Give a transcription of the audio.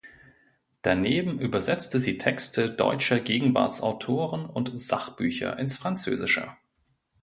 Daneben übersetzte sie Texte deutscher Gegenwartsautoren und Sachbücher ins Französische.